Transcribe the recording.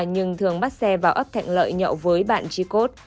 nhưng thường bắt xe vào ấp thạnh lợi nhậu với bạn tri cốt